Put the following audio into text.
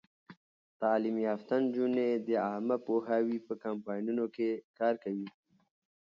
تعلیم یافته نجونې د عامه پوهاوي په کمپاینونو کې کار کوي.